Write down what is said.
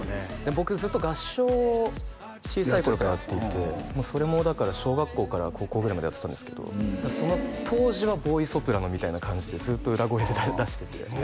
僕ずっと合唱を小さい頃からやっていてそれもだから小学校から高校ぐらいまでやってたんですけどその当時はボーイソプラノみたいな感じでずっと裏声で出してて